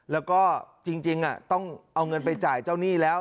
แล้วก็จริงต้องเอาเงินไปจ่ายเจ้าหนี้แล้ว